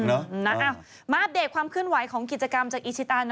มาอัปเดตความเคลื่อนไหวของกิจกรรมจากอีชิตา